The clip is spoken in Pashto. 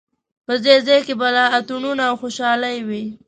په ځای ځای کې به لا اتڼونه او خوشالۍ وې.